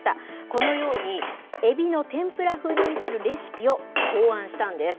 このようにエビの天ぷら風に見せるレシピを考案したんです。